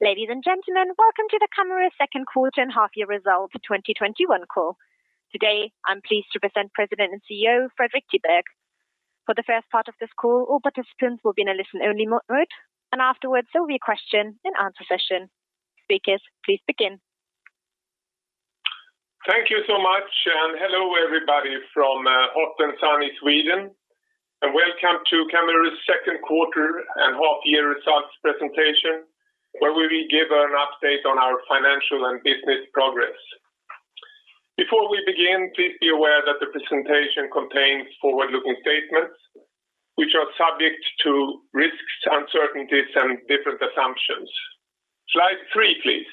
Ladies and gentlemen, welcome to the Camurus second quarter and half-year results 2021 call. Today, I am pleased to present President and CEO, Fredrik Tiberg. For the first part of this call, all participants will be in a listen-only mode, and afterwards, there will be a question and answer session. Tiberg, please begin. Thank you so much. Hello, everybody from hot and sunny Sweden. Welcome to Camurus' second quarter and half-year results presentation, where we will give an update on our financial and business progress. Before we begin, please be aware that the presentation contains forward-looking statements which are subject to risks, uncertainties, and different assumptions. Slide three, please.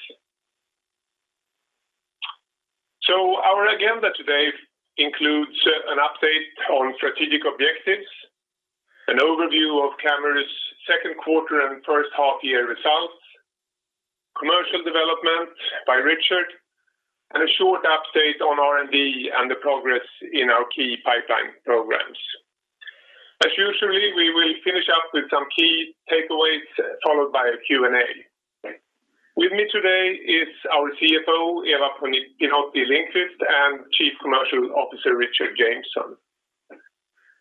Our agenda today includes an update on strategic objectives, an overview of Camurus' second quarter and first half-year results, commercial development by Richard, and a short update on R&D and the progress in our key pipeline programs. As usually, we will finish up with some key takeaways, followed by a Q&A. With me today is our CFO, Eva Pinotti-Lindqvist, and Chief Commercial Officer, Richard Jameson.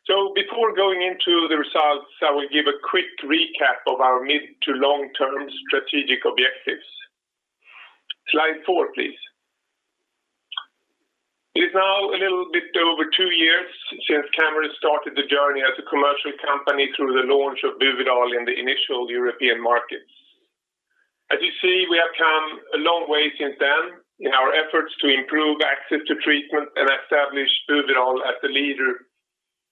Before going into the results, I will give a quick recap of our mid to long-term strategic objectives. Slide four, please. It is now a little bit over two years since Camurus started the journey as a commercial company through the launch of Buvidal in the initial European markets. As you see, we have come a long way since then in our efforts to improve access to treatment and establish Buvidal as a leader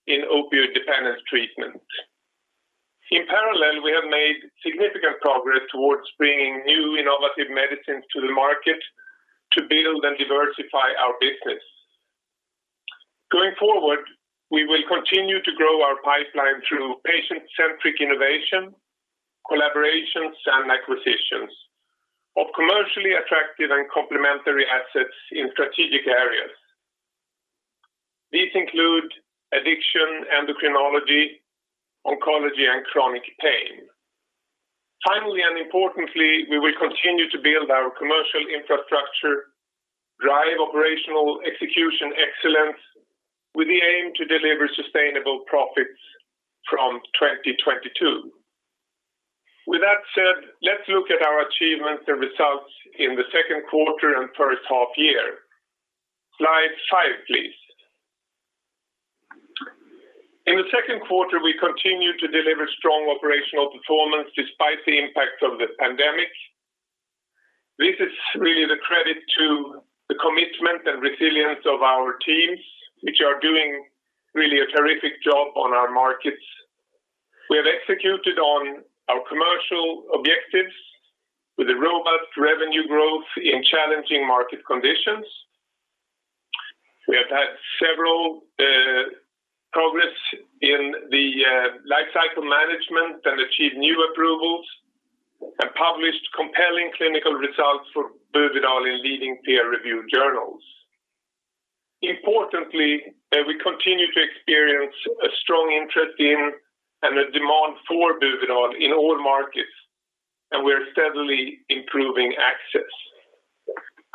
in opioid dependence treatment. In parallel, we have made significant progress towards bringing new, innovative medicines to the market to build and diversify our business. Going forward, we will continue to grow our pipeline through patient-centric innovation, collaborations, and acquisitions of commercially attractive and complementary assets in strategic areas. These include addiction, endocrinology, oncology, and chronic pain. Finally, and importantly, we will continue to build our commercial infrastructure, drive operational execution excellence with the aim to deliver sustainable profits from 2022. With that said, let's look at our achievements and results in the second quarter and first half-year. Slide five, please. In the second quarter, we continued to deliver strong operational performance despite the impact of the pandemic. This is really the credit to the commitment and resilience of our teams, which are doing really a terrific job on our markets. We have executed on our commercial objectives with a robust revenue growth in challenging market conditions. We have had several progress in the life cycle management and achieved new approvals and published compelling clinical results for Buvidal in leading peer-reviewed journals. Importantly, we continue to experience a strong interest in and a demand for Buvidal in all markets, and we're steadily improving access.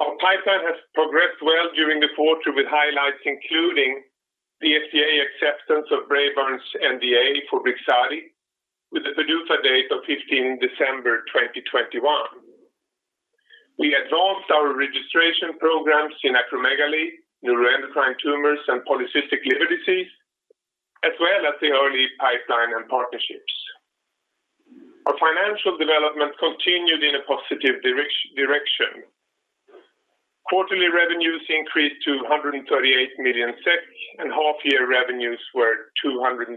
Our pipeline has progressed well during the quarter with highlights including the FDA acceptance of Braeburn's NDA for BRIXADI with the PDUFA date of 15 December 2021. We advanced our registration programs in acromegaly, neuroendocrine tumors, and polycystic liver disease, as well as the early pipeline and partnerships. Our financial development continued in a positive direction. Quarterly revenues increased to 138 million SEK, and half-year revenues were 264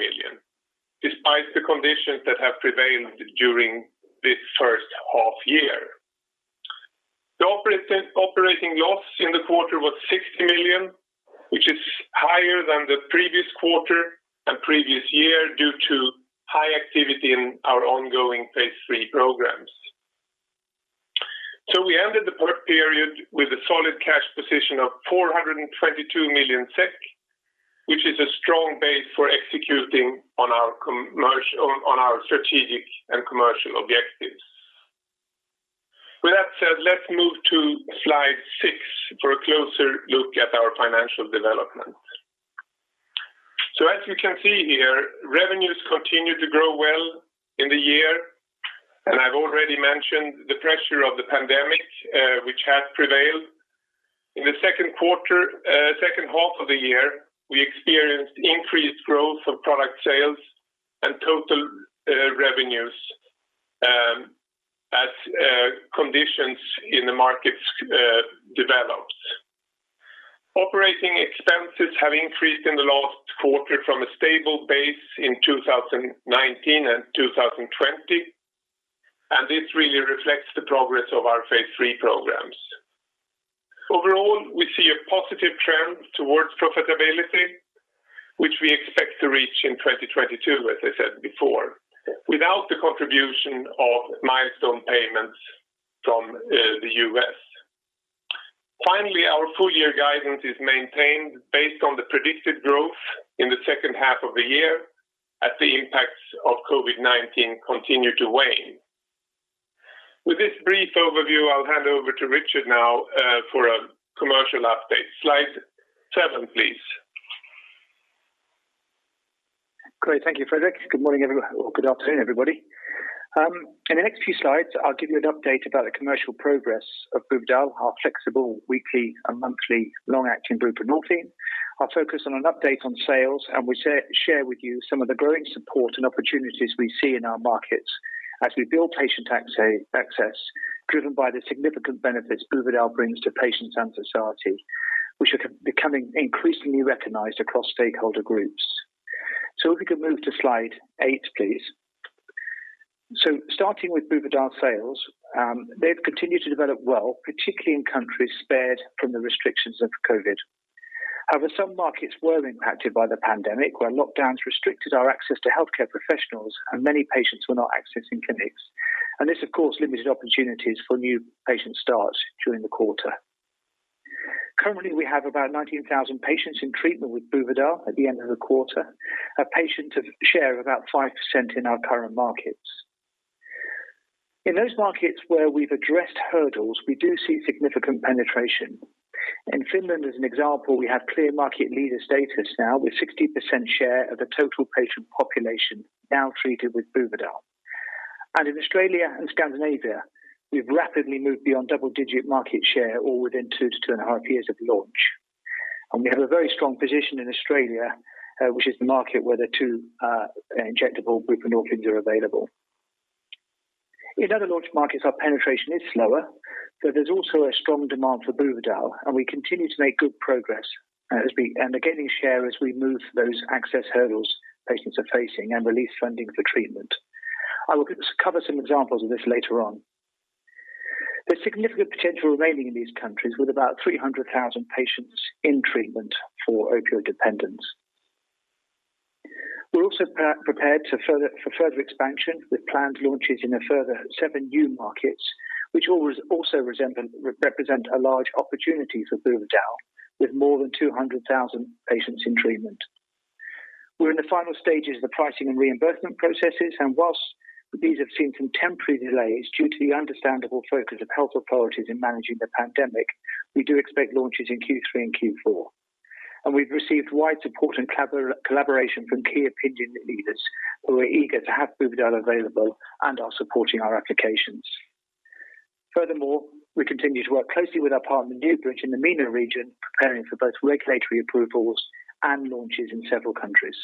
million, despite the conditions that have prevailed during this first half-year. The operating loss in the quarter was 60 million, which is higher than the previous quarter and previous year due to high activity in our ongoing phase III programs. We ended the period with a solid cash position of 422 million SEK, which is a strong base for executing on our strategic and commercial objectives. With that said, let's move to slide six for a closer look at our financial development. As you can see here, revenues continued to grow well in the year, and I've already mentioned the pressure of the pandemic, which has prevailed. In the second half of the year, we experienced increased growth of product sales and total revenues as conditions in the markets developed. This really reflects the progress of our phase III programs. Overall, we see a positive trend towards profitability, which we expect to reach in 2022, as I said before, without the contribution of milestone payments from the U.S. Finally, our full-year guidance is maintained based on the predicted growth in the second half of the year as the impacts of COVID-19 continue to wane. With this brief overview, I'll hand over to Richard now for a commercial update. Slide seven, please. Great. Thank you, Fredrik. Good morning, everyone, or good afternoon, everybody. In the next few slides, I'll give you an update about the commercial progress of Buvidal, our flexible weekly and monthly long-acting buprenorphine. I'll focus on an update on sales, and we share with you some of the growing support and opportunities we see in our markets as we build patient access driven by the significant benefits Buvidal brings to patients and society, which are becoming increasingly recognized across stakeholder groups. If we can move to Slide eight, please. Starting with Buvidal sales, they've continued to develop well, particularly in countries spared from the restrictions of COVID. However, some markets were impacted by the pandemic where lockdowns restricted our access to healthcare professionals and many patients were not accessing clinics. This, of course, limited opportunities for new patient starts during the quarter. Currently, we have about 19,000 patients in treatment with Buvidal at the end of the quarter. A patient share of about 5% in our current markets. In those markets where we've addressed hurdles, we do see significant penetration. In Finland, as an example, we have clear market leader status now with 60% share of the total patient population now treated with Buvidal. In Australia and Scandinavia, we've rapidly moved beyond double-digit market share all within 2-2.5 years of launch. We have a very strong position in Australia, which is the market where the two injectable buprenorphines are available. In other launch markets, our penetration is slower, but there's also a strong demand for Buvidal, and we continue to make good progress and are gaining share as we move those access hurdles patients are facing and release funding for treatment. I will cover some examples of this later on. There's significant potential remaining in these countries with about 300,000 patients in treatment for opioid dependence. We're also prepared for further expansion with planned launches in a further seven new markets, which also represent a large opportunity for Buvidal with more than 200,000 patients in treatment. We're in the final stages of the pricing and reimbursement processes, and whilst these have seen temporary delays due to the understandable focus of health authorities in managing the pandemic, we do expect launches in Q3 and Q4. We've received wide support and collaboration from key opinion leaders who are eager to have Buvidal available and are supporting our applications. Furthermore, we continue to work closely with our partner, NewBridge, in the MENA region, preparing for both regulatory approvals and launches in several countries.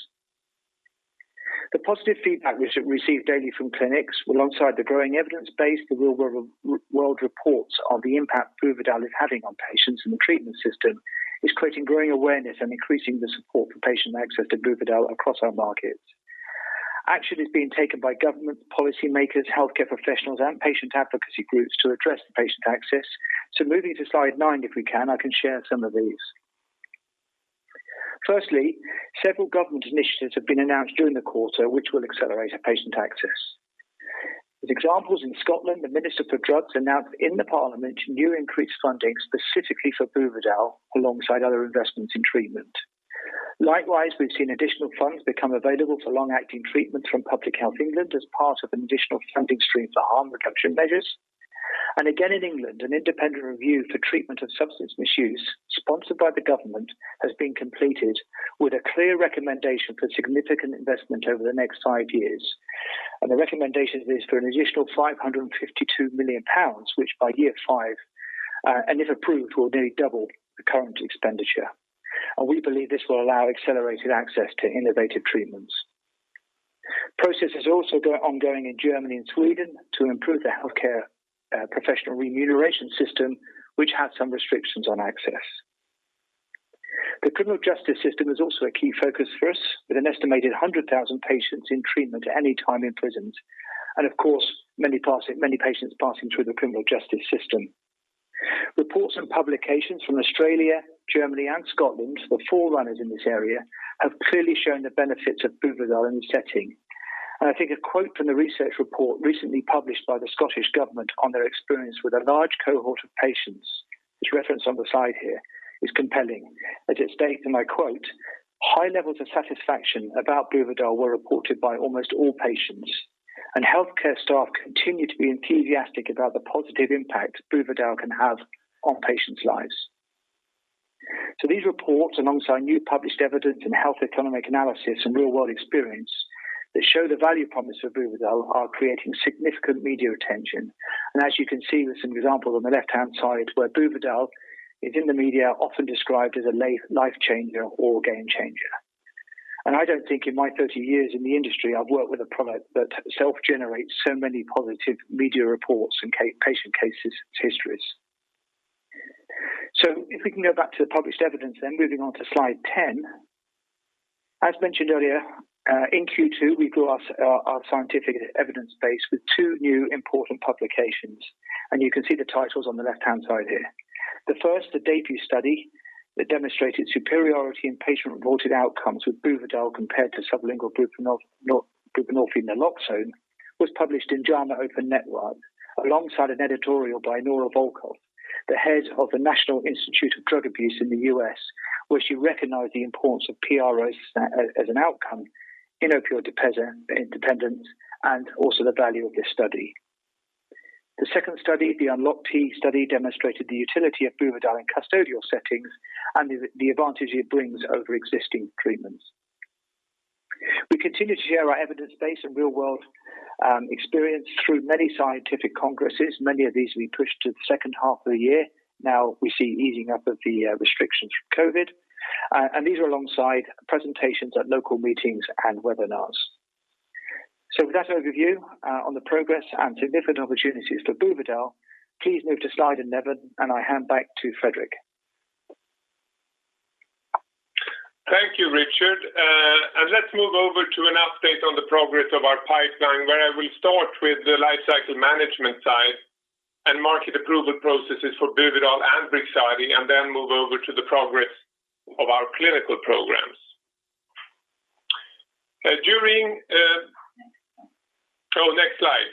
The positive feedback we receive daily from clinics, alongside the growing evidence base, the real-world reports on the impact Buvidal is having on patients in the treatment system, is creating growing awareness and increasing the support for patient access to Buvidal across our markets. Action is being taken by government policymakers, healthcare professionals, and patient advocacy groups to address the patient access. Moving to slide nine if we can, I can share some of these. Firstly, several government initiatives have been announced during the quarter which will accelerate patient access. With examples in Scotland, the Minister for Drugs announced in the Parliament new increased funding specifically for Buvidal alongside other investments in treatment. Likewise, we've seen additional funds become available for long-acting treatments from Public Health England as part of an additional funding stream for harm reduction measures. In England, an independent review for treatment of substance misuse, sponsored by the government, has been completed with a clear recommendation for significant investment over the next five years. The recommendation is for an additional £552 million, which by year five, and if approved, will nearly double the current expenditure. We believe this will allow accelerated access to innovative treatments. Processes also ongoing in Germany and Sweden to improve the healthcare professional remuneration system, which had some restrictions on access. The criminal justice system is also a key focus for us, with an estimated 100,000 patients in treatment at any time in prisons, and of course, many patients passing through the criminal justice system. Reports and publications from Australia, Germany, and Scotland, the forerunners in this area, have clearly shown the benefits of Buvidal in the setting. I think a quote from the research report recently published by the Scottish Government on their experience with a large cohort of patients, which is referenced on the side here, is compelling. It states, and I quote, "High levels of satisfaction about Buvidal were reported by almost all patients, and healthcare staff continue to be enthusiastic about the positive impact Buvidal can have on patients' lives." These reports, alongside new published evidence in health economic analysis and real-world experience that show the value promise of Buvidal, are creating significant media attention. As you can see with some examples on the left-hand side, where Buvidal is in the media, often described as a life-changer or game-changer. I don't think in my 30 years in the industry I've worked with a product that self-generates so many positive media reports and patient case histories. If we can go back to the published evidence, moving on to slide 10. As mentioned earlier, in Q2, we grew our scientific evidence base with two new important publications, you can see the titles on the left-hand side here. The first, the DEBUT study that demonstrated superiority in patient-reported outcomes with Buvidal compared to sublingual buprenorphine naloxone was published in JAMA Network Open alongside an editorial by Nora Volkow, the head of the National Institute on Drug Abuse in the U.S., where she recognized the importance of PRO as an outcome in opioid dependence, and also the value of this study. The second study, the UNLOC-T study, demonstrated the utility of Buvidal in custodial settings the advantage it brings over existing treatments. We continue to share our evidence base and real-world experience through many scientific congresses. Many of these we pushed to the second half of the year. Now we see easing up of the restrictions from COVID, and these are alongside presentations at local meetings and webinars. With that overview on the progress and significant opportunities for Buvidal, please move to slide 11, and I hand back to Fredrik. Thank you, Richard. Let's move over to an update on the progress of our pipeline, where I will start with the lifecycle management side and market approval processes for Buvidal and BRIXADI, then move over to the progress of our clinical programs. Next slide.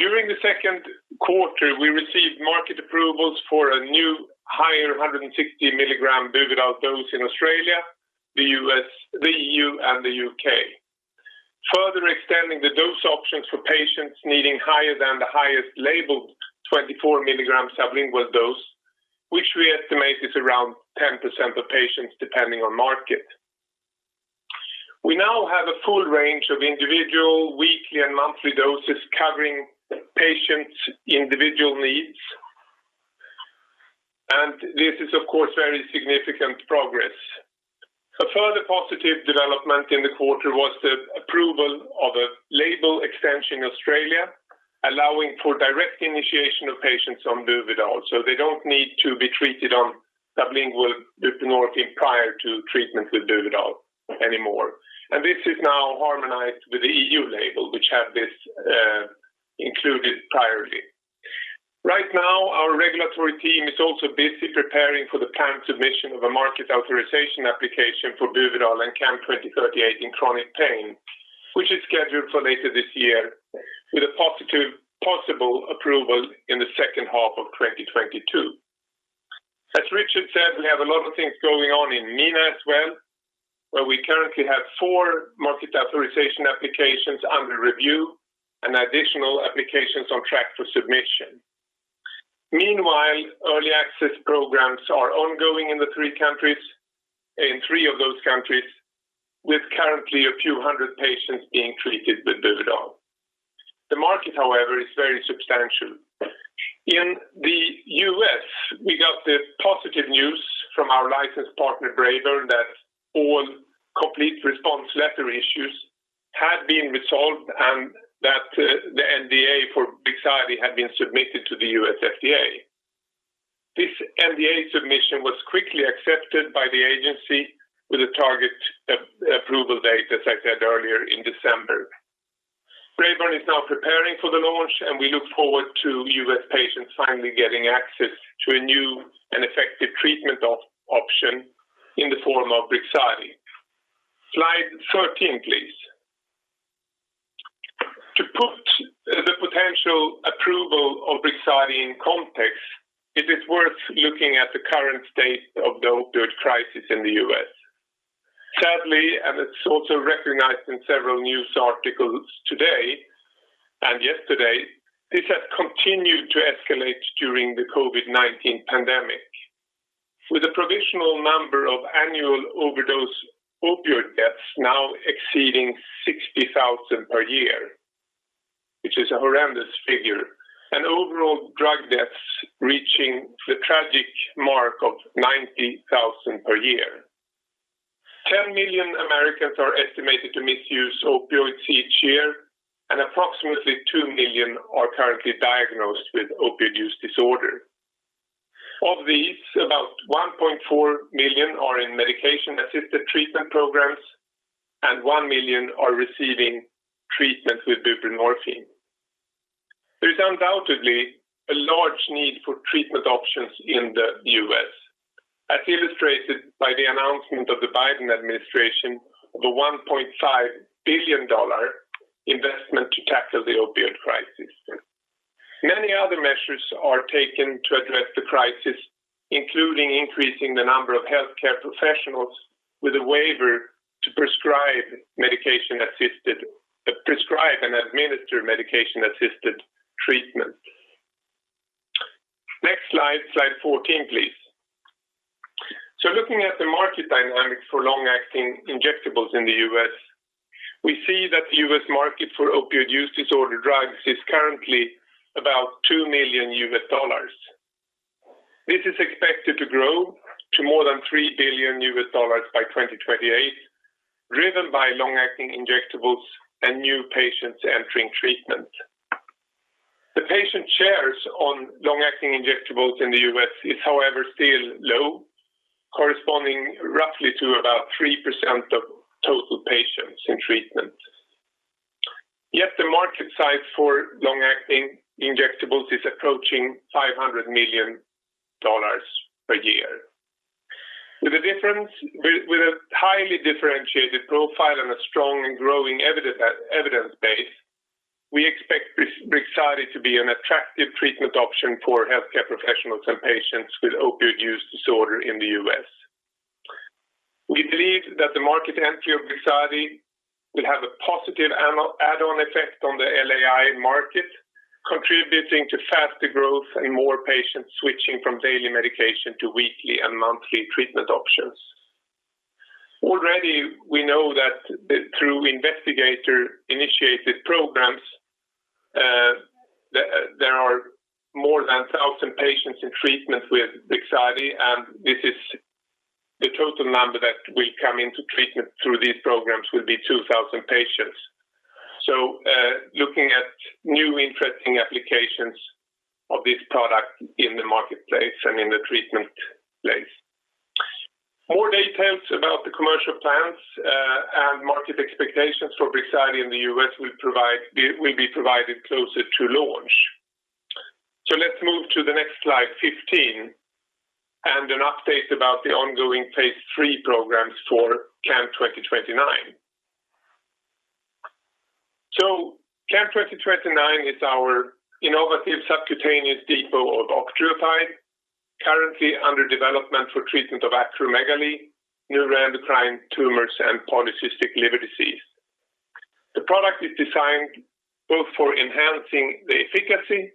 During the second quarter, we received market approvals for a new higher 160 mg Buvidal dose in Australia, the E.U., and the U.K., further extending the dose options for patients needing higher than the highest labeled 24 mg sublingual dose, which we estimate is around 10% of patients, depending on market. We now have a full range of individual weekly and monthly doses covering patients' individual needs, this is, of course, very significant progress. A further positive development in the quarter was the approval of a label extension in Australia, allowing for direct initiation of patients on Buvidal. They don't need to be treated on sublingual buprenorphine prior to treatment with Buvidal anymore. This is now harmonized with the EU label, which had this included priorly. Right now, our regulatory team is also busy preparing for the planned submission of a market authorization application for Buvidal and CAM2038 in chronic pain, which is scheduled for later this year, with a possible approval in the second half of 2022. As Richard said, we have a lot of things going on in MENA as well, where we currently have four market authorization applications under review and additional applications on track for submission. Meanwhile, early access programs are ongoing in three of those countries, with currently a few hundred patients being treated with Buvidal. The market, however, is very substantial. In the U.S., we got the positive news from our licensed partner, Braeburn, that all complete response letter issues had been resolved and that the NDA for BRIXADI had been submitted to the U.S. FDA. This NDA submission was quickly accepted by the agency with a target approval date, as I said earlier, in December. Braeburn is now preparing for the launch, and we look forward to U.S. patients finally getting access to a new and effective treatment option in the form of BRIXADI. Slide 13, please. To put the potential approval of BRIXADI in context, it is worth looking at the current state of the opioid crisis in the U.S. Sadly, and it's also recognized in several news articles today and yesterday, this has continued to escalate during the COVID-19 pandemic. With a provisional number of annual overdose opioid deaths now exceeding 60,000 per year, which is a horrendous figure, and overall drug deaths reaching the tragic mark of 90,000 per year. 10 million Americans are estimated to misuse opioids each year, and approximately 2 million are currently diagnosed with opioid use disorder. Of these, about 1.4 million are in medication-assisted treatment programs, and 1 million are receiving treatment with buprenorphine. There is undoubtedly a large need for treatment options in the U.S., as illustrated by the announcement of the Biden administration of a $1.5 billion investment to tackle the opioid crisis. Many other measures are taken to address the crisis, including increasing the number of healthcare professionals with a waiver to prescribe and administer medication-assisted treatment. Next slide 14, please. Looking at the market dynamics for long-acting injectables in the U.S., we see that the U.S. market for opioid use disorder drugs is currently about $2 million. This is expected to grow to more than $3 billion by 2028, driven by long-acting injectables and new patients entering treatment. The patient shares on long-acting injectables in the U.S. is, however, still low, corresponding roughly to about 3% of total patients in treatment. Yes, the market size for long-acting injectables is approaching $500 million per year. With a highly differentiated profile and a strong growing evidence base, we expect BRIXADI to be an attractive treatment option for healthcare professionals and patients with opioid use disorder in the U.S. We believe that the market entry of BRIXADI will have a positive add-on effect on the LAI market, contributing to faster growth and more patients switching from daily medication to weekly and monthly treatment options. Already, we know that through investigator-initiated programs, there are more than 1,000 patients in treatment with BRIXADI, and the total number that will come into treatment through these programs will be 2,000 patients. Looking at new interesting applications of this product in the marketplace and in the treatment place. More details about the commercial plans and market expectations for BRIXADI in the U.S. will be provided closer to launch. Let's move to the next slide, 15, and an update about the ongoing phase III programs for CAM2029. CAM2029 is our innovative subcutaneous depot of octreotide currently under development for treatment of acromegaly, neuroendocrine tumors, and polycystic liver disease. The product is designed both for enhancing the efficacy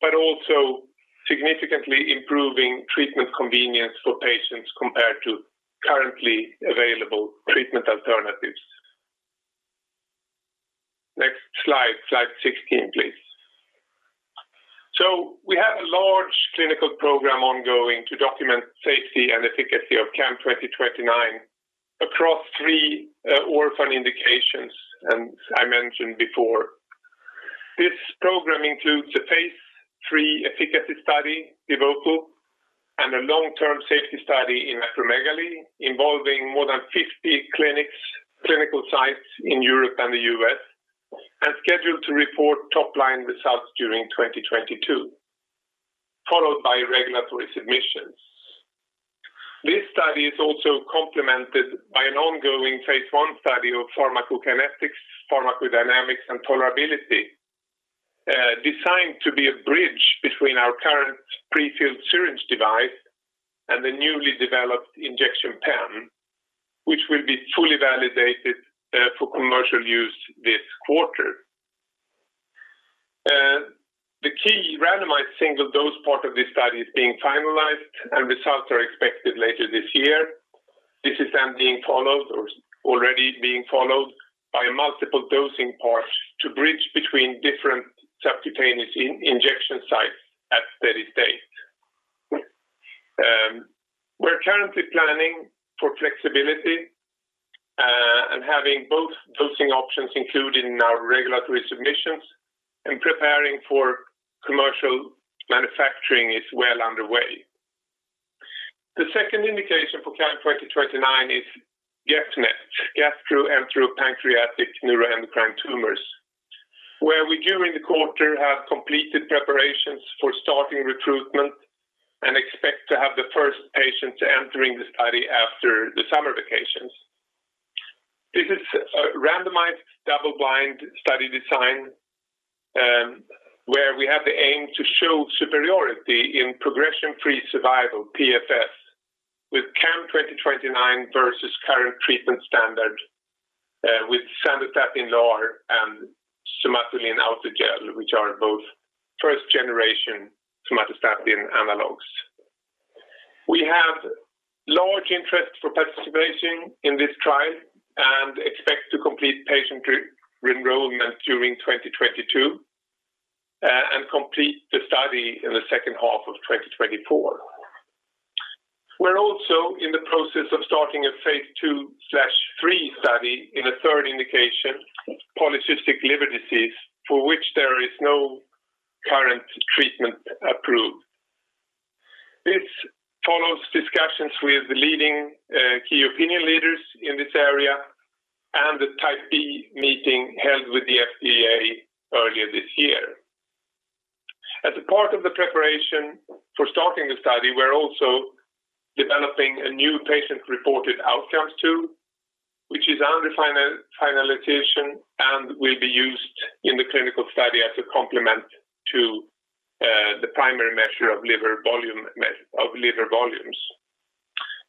but also significantly improving treatment convenience for patients compared to currently available treatment alternatives. Next slide 16, please. We have a large clinical program ongoing to document safety and efficacy of CAM2029 across three orphan indications, as I mentioned before. This program includes a phase III efficacy study, EVOCO, and a long-term safety study in acromegaly involving more than 50 clinical sites in Europe and the U.S., and scheduled to report top-line results during 2022, followed by regulatory submissions. This study is also complemented by an ongoing phase I study of pharmacokinetics, pharmacodynamics, and tolerability, designed to be a bridge between our current pre-filled syringe device and the newly developed injection pen, which will be fully validated for commercial use this quarter. The key randomized single-dose part of this study is being finalized, and results are expected later this year. This is then being followed, or is already being followed by multiple dosing parts to bridge between different subcutaneous injection sites at steady state. We're currently planning for flexibility and having both dosing options included in our regulatory submissions and preparing for commercial manufacturing is well underway. The second indication for CAM-2029 is GEPNET, gastroenteropancreatic neuroendocrine tumors, where we during the quarter have completed preparations for starting recruitment and expect to have the first patients entering the study after the summer vacations. This is a randomized double-blind study design, where we have the aim to show superiority in progression-free survival, PFS, with CAM-2029 versus current treatment standard with Sandostatin LAR and Somatuline Autogel, which are both first generation somatostatin analogs. We have large interest for participation in this trial and expect to complete patient enrollment during 2022, and complete the study in the second half of 2024. We're also in the process of starting a phase II/III study in a third indication, polycystic liver disease, for which there is no current treatment approved. This follows discussions with leading key opinion leaders in this area and a Type B meeting held with the FDA earlier this year. As a part of the preparation for starting the study, we're also developing a new patient-reported outcome tool, which is under finalization and will be used in the clinical study as a complement to the primary measure of liver volumes.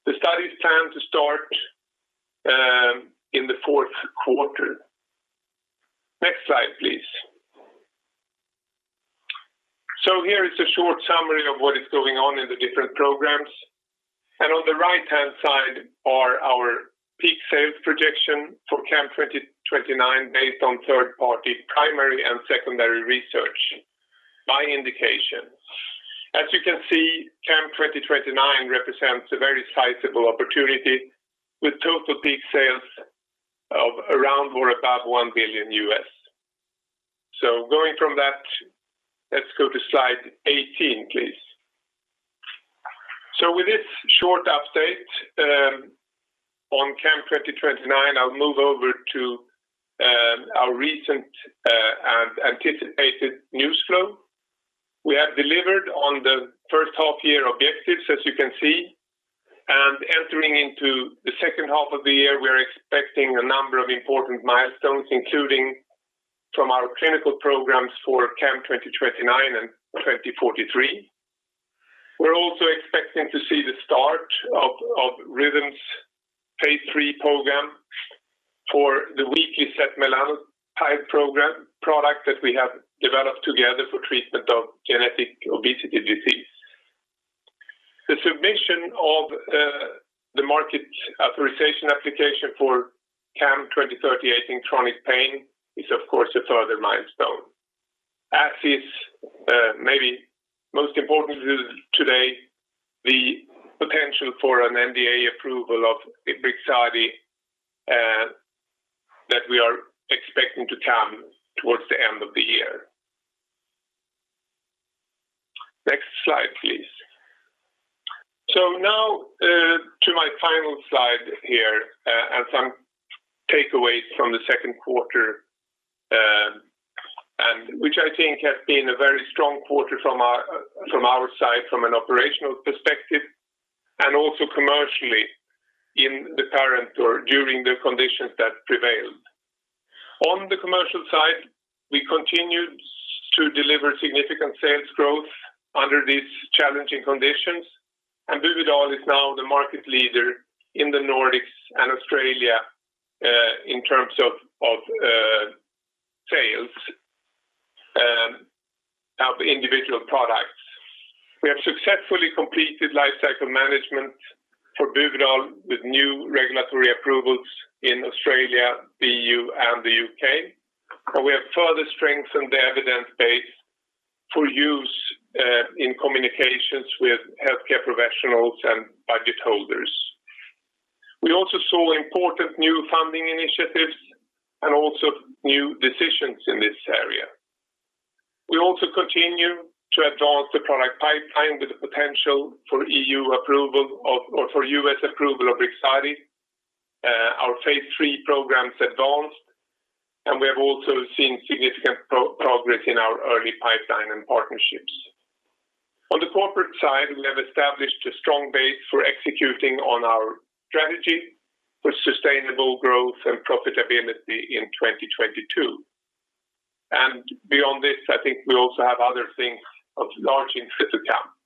The study is planned to start in the fourth quarter. Next slide, please. Here is a short summary of what is going on in the different programs. On the right-hand side are our peak sales projection for CAM2029 based on third-party primary and secondary research by indication. As you can see, CAM2029 represents a very sizable opportunity with total peak sales of around or above $1 billion. Going from that, let's go to slide 18, please. With this short update on CAM2029, I'll move over to our recent and anticipated news flow. We have delivered on the first half-year objectives, as you can see. Entering into the second half of the year, we're expecting a number of important milestones, including from our clinical programs for CAM2029 and 2043. We're also expecting to see the start of Rhythm's phase III program for the weekly setmelanotide product that we have developed together for treatment of genetic obesity disease. The submission of the market authorization application for CAM2038 in chronic pain is, of course, a further milestone. As is, maybe most importantly today, the potential for an NDA approval of BRIXADI that we are expecting to come towards the end of the year. Next slide, please. Now to my final slide here, and some takeaways from the second quarter, which I think has been a very strong quarter from our side from an operational perspective and also commercially in the current or during the conditions that prevailed. On the commercial side, we continued to deliver significant sales growth under these challenging conditions, and Buvidal is now the market leader in the Nordics and Australia in terms of sales of individual products. We have successfully completed lifecycle management for Buvidal with new regulatory approvals in Australia, the EU, and the U.K., and we have further strengthened the evidence base for use in communications with healthcare professionals and budget holders. We also saw important new funding initiatives and also new decisions in this area. We also continue to advance the product pipeline with the potential for U.S. approval of BRIXADI. Our phase III programs advanced, and we have also seen significant progress in our early pipeline and partnerships. On the corporate side, we have established a strong base for executing on our strategy for sustainable growth and profitability in 2022. Beyond this, I think we also have other things of large interest to Camurus.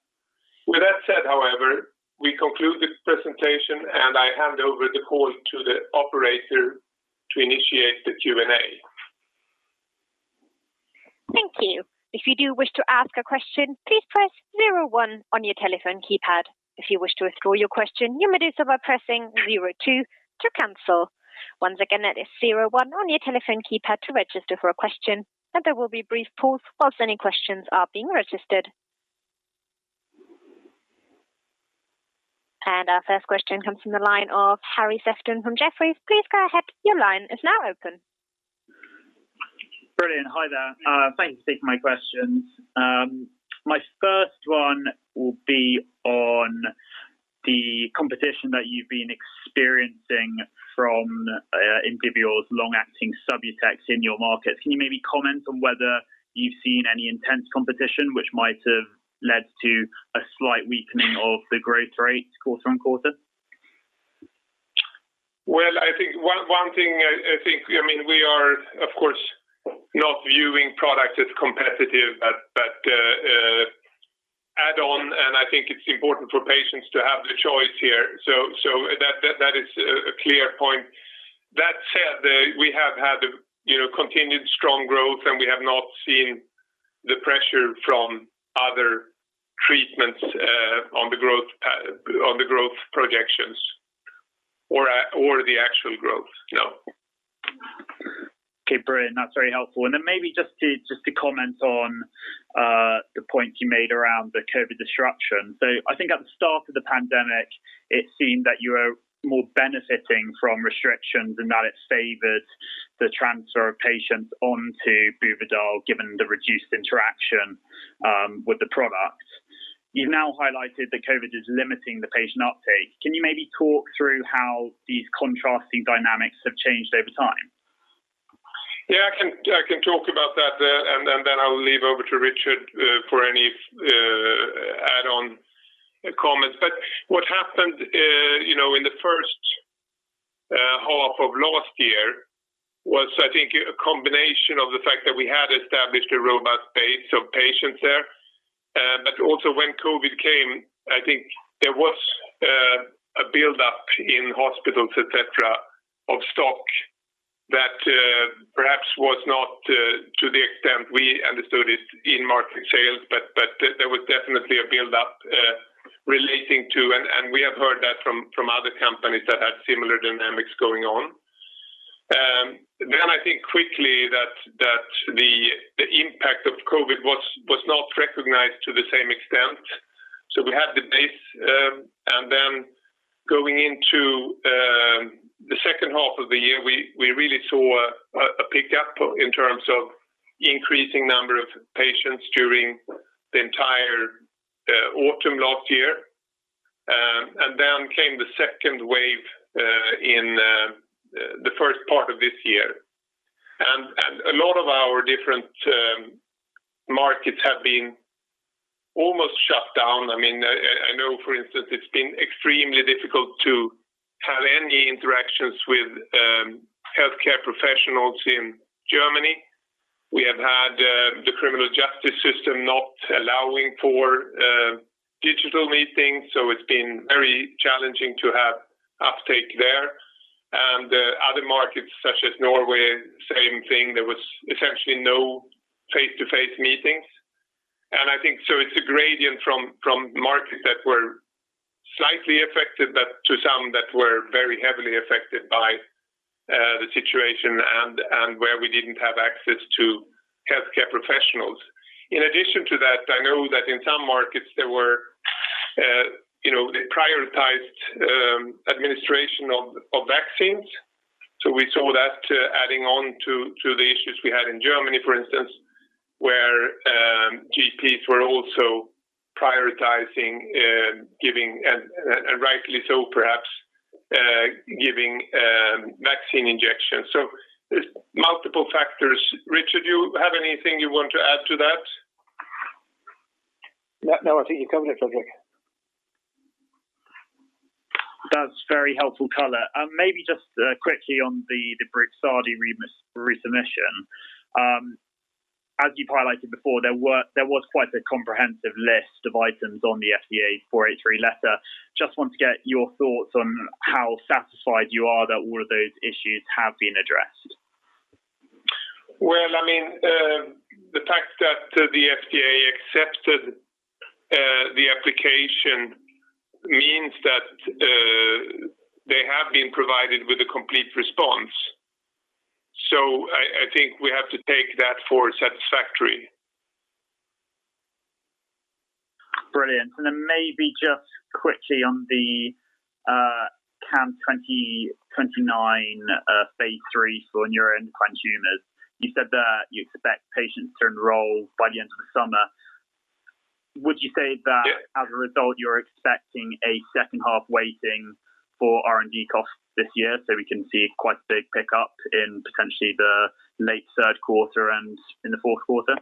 With that said, however, we conclude this presentation, and I hand over the call to the operator to initiate the Q&A. Thank you. If you do wish to ask a question, please press zero one on your telephone keypad. If you wish to withdraw your question, you may do so by pressing zero two to cancel. Once again, that is zero one on your telephone keypad to register for a question, and there will be a brief pause while any questions are being registered. Our first question comes from the line of Harry Sefton from Jefferies. Please go ahead. Your line is now open. Brilliant. Hi there. Thanks for taking my questions. My first one will be on the competition that you've been experiencing from Indivior's long-acting SUBLOCADE in your market. Can you maybe comment on whether you've seen any intense competition which might have led to a slight weakening of the growth rate quarter-on-quarter? Well, one thing, I think we are, of course, not viewing products as competitive but add on, and I think it's important for patients to have the choice here. That is a clear point. That said, we have had continued strong growth, and we have not seen the pressure from other treatments on the growth projections or the actual growth, no. Okay, brilliant. That's very helpful. Maybe just to comment on the point you made around the COVID disruption. I think at the start of the pandemic, it seemed that you were more benefiting from restrictions and that it favored the transfer of patients onto Buvidal, given the reduced interaction with the product. You've now highlighted that COVID is limiting the patient uptake. Can you maybe talk through how these contrasting dynamics have changed over time? Yeah, I can talk about that, and then I'll leave over to Richard for any add-on comments. What happened in the first half of last year was, I think, a combination of the fact that we had established a robust base of patients there. Also when COVID-19 came, I think there was a buildup in hospitals, et cetera, of stock that perhaps was not to the extent we understood it in marketing sales, but there was definitely a buildup relating to it. We have heard that from other companies that had similar dynamics going on. I think quickly that the impact of COVID-19 was not recognized to the same extent. We had the base. Going into the second half of the year, we really saw in terms of increasing number of patients during the entire autumn last year. Then came the second wave in the first part of this year. A lot of our different markets have been almost shut down. I know, for instance, it's been extremely difficult to have any interactions with healthcare professionals in Germany. We have had the criminal justice system not allowing for digital meetings, so it's been very challenging to have uptake there. Other markets such as Norway, same thing. There was essentially no face-to-face meetings. I think so it's a gradient from markets that were slightly affected to some that were very heavily affected by the situation and where we didn't have access to healthcare professionals. In addition to that, I know that in some markets they prioritized administration of vaccines. We saw that adding on to the issues we had in Germany, for instance, where GPs were also prioritizing giving, and rightly so perhaps, giving vaccine injections. There's multiple factors. Richard, do you have anything you want to add to that? No, I think you covered it, Fredrik. That's very helpful color. Maybe just quickly on the BRIXADI resubmission. As you highlighted before, there was quite a comprehensive list of items on the FDA 483 letter. Just want to get your thoughts on how satisfied you are that all of those issues have been addressed. The fact that the FDA accepted the application means that they have been provided with a complete response. I think we have to take that for satisfactory. Brilliant. Maybe just quickly on the CAM2029 phase III for neuroendocrine tumors. You said that you expect patients to enroll by the end of the summer. Would you say that as a result, you're expecting a second half weighting for R&D costs this year, so we can see quite a big pickup in potentially the late third quarter and in the fourth quarter?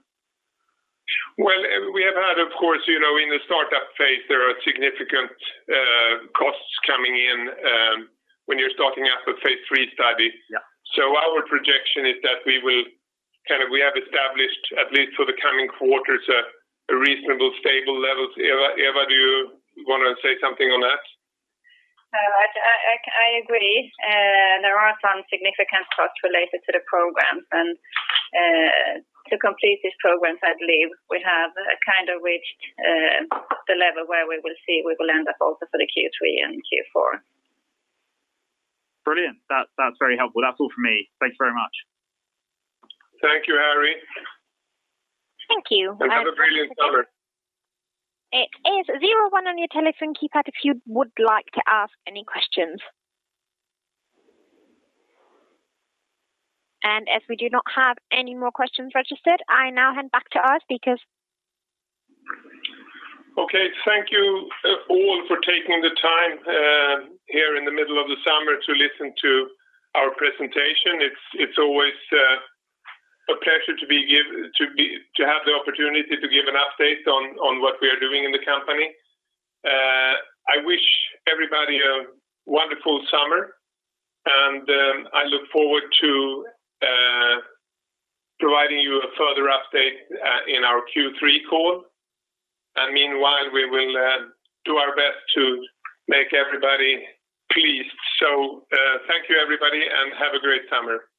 We have had, of course, in the start-up phase, there are significant costs coming in when you're starting up a phase III study. Yeah. Our projection is that we have established, at least for the coming quarters, a reasonable, stable level. Eva, do you want to say something on that? I agree. There are some significant costs related to the programs. To complete these programs, I believe we have kind of reached the level where we will see we will end up also for the Q3 and Q4. Brilliant. That's very helpful. That's all from me. Thanks very much. Thank you, Harry. Thank you. Have a brilliant summer. It is zero one on your telephone keypad if you would like to ask any questions. As we do not have any more questions registered, I now hand back to our speakers. Okay. Thank you all for taking the time here in the middle of the summer to listen to our presentation. It's always a pleasure to have the opportunity to give an update on what we are doing in the company. I wish everybody a wonderful summer. I look forward to providing you a further update in our Q3 call. Meanwhile, we will do our best to make everybody pleased. Thank you, everybody, and have a great summer.